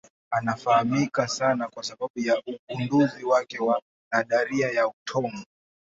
Anafahamika sana kwa sababu ya ugunduzi wake wa nadharia ya atomu.